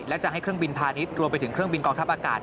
และจะให้เครื่องบินพาณิชย์รวมไปถึงเครื่องบินกองทัพอากาศ